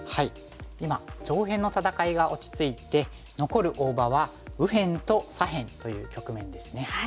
今上辺の戦いが落ち着いて残る大場は右辺と左辺という局面ですね。